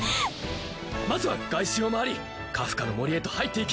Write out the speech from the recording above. まずは外周を回りカフカの森へと入っていき